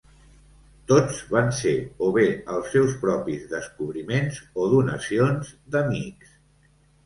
Tots van ser, o bé els seus propis descobriments o donacions d'amics.